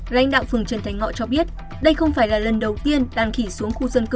lãnh đạo phường trần thành ngọ cho biết đây không phải là lần đầu tiên đàn khỉ xuống khu dân cư